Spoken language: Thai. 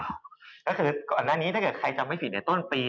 ก็คือก่อนหน้านี้ถ้าเกิดใครจำไม่ผิดในต้นปี